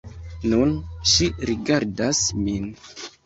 Nun, ŝi rigardas min.